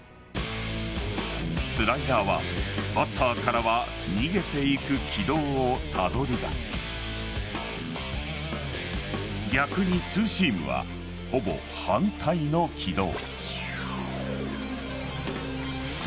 スライダーはバッターからは逃げていく軌道をたどるが逆にツーシームはほぼ反対の軌道。